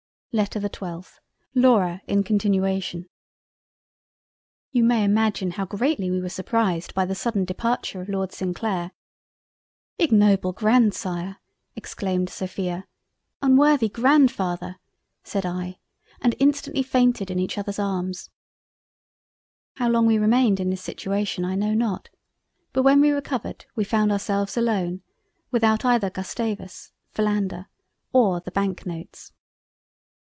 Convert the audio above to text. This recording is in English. LETTER the 12th LAURA in continuation You may imagine how greatly we were surprised by the sudden departure of Lord St Clair. "Ignoble Grand sire!" exclaimed Sophia. "Unworthy Grandfather!" said I, and instantly fainted in each other's arms. How long we remained in this situation I know not; but when we recovered we found ourselves alone, without either Gustavus, Philander, or the Banknotes.